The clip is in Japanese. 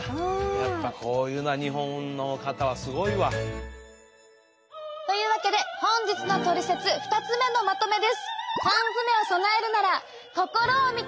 やっぱこういうのは日本の方はすごいわ。というわけで本日のトリセツ２つ目のまとめです。